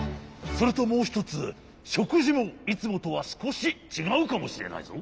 それともうひとつしょくじもいつもとはすこしちがうかもしれないぞ。